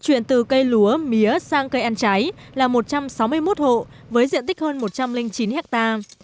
chuyển từ cây lúa mía sang cây ăn trái là một trăm sáu mươi một hộ với diện tích hơn một trăm linh chín hectare